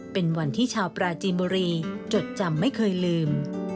เป็นวันที่ชาวปราจีนบุรีจดจำไม่เคยลืม